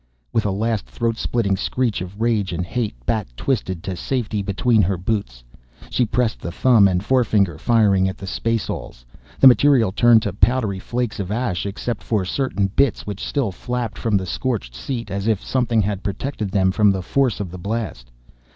With a last throat splitting screech of rage and hate, Bat twisted to safety between her boots. She pressed with thumb and forefinger, firing at the spacealls. The material turned to powdery flakes of ash except for certain bits which still flapped from the scorched seat as if something had protected them from the force of the blast.